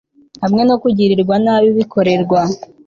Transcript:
hamwe no kugirirwa nabi bikorerwa